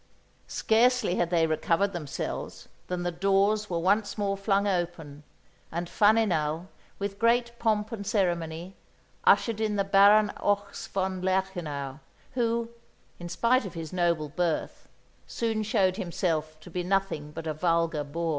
Scarcely had they recovered themselves than the doors were once more flung open, and Faninal, with great pomp and ceremony, ushered in the Baron Ochs von Lerchenau, who, in spite of his noble birth, soon showed himself to be nothing but a vulgar boor.